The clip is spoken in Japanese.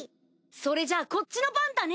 それじゃあこっちの番だね。